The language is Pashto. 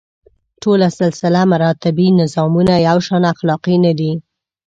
ټول سلسله مراتبي نظامونه یو شان اخلاقي نه دي.